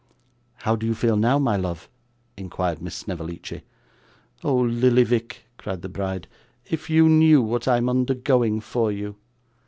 'How do you feel now, my love?' inquired Miss Snevellicci. 'Oh Lillyvick!' cried the bride. 'If you knew what I am undergoing for you!